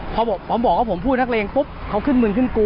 พอผมบอกว่าผมพูดนักเลงปุ๊บเขาขึ้นมึงขึ้นกู